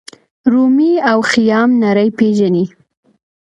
رومي او خیام نړۍ پیژني.